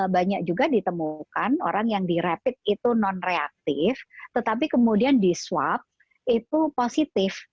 banyak juga ditemukan orang yang di rapid itu non reaktif tetapi kemudian di swab itu positif